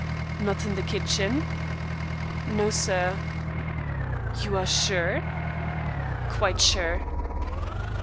"Not in the kitchen?" "No, sir." "You are sure?" "Quite sure."